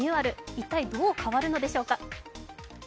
一体、どう変わるのでしょうか？